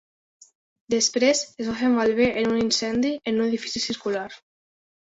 Després es va fer mal bé en un incendi en un edifici circular.